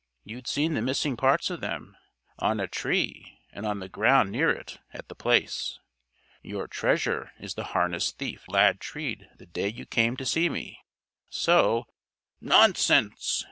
You'd seen the missing parts of them on a tree and on the ground near it, at The Place. Your 'treasure' is the harness thief Lad treed the day you came to see me. So " "Nonsense!"